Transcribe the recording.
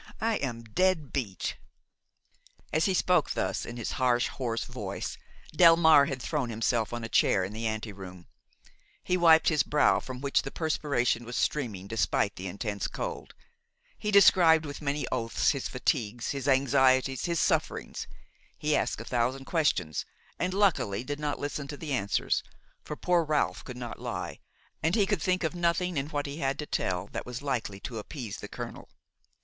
I am dead beat!" As he spoke thus in his harsh, hoarse voice, Delmare had thrown himself on a chair in the ante room; he wiped his brow from which the perspiration was streaming despite the intense cold; he described with many oaths his fatigues, his anxieties, his sufferings; he asked a thousand questions, and, luckily, did not listen to the answers, for poor Ralph could not lie, and he could think of nothing in what he had to tell that was likely to appease the colonel.